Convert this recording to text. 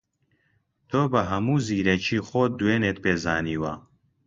تۆ بە هەموو زیرەکیی خۆت دوێنێت پێ زانیوە